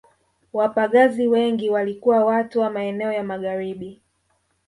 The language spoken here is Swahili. Wapagazi wengi walikuwa watu wa maeneo ya Magharibi